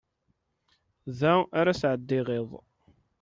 Da ara sɛeddiɣ iḍ.